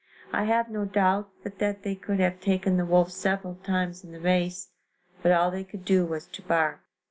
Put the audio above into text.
I have no doubt but that they could have taken the wolf several times in the race, but all they could do was to bark.